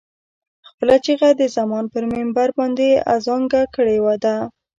خپله چيغه د زمان پر منبر باندې اذانګه کړې ده.